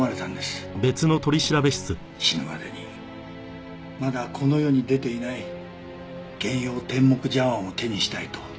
死ぬまでにまだこの世に出ていない幻曜天目茶碗を手にしたいと。